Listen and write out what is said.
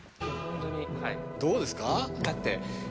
どうですか？